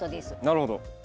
なるほど。